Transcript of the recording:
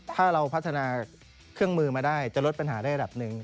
ถ้าเราพัฒนาเครื่องมือมาได้จะลดปัญหาได้ระดับหนึ่ง